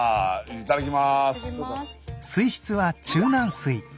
いただきます。